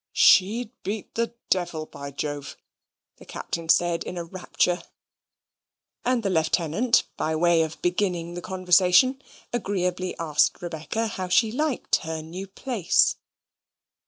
"She'd beat the devil, by Jove!" the Captain said, in a rapture; and the Lieutenant, by way of beginning the conversation, agreeably asked Rebecca how she liked her new place.